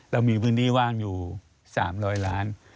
เรามีพื้นที่ว่างอยู่๓๐๐ล้าน